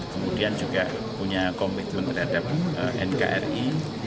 kemudian juga punya komitmen terhadap nkri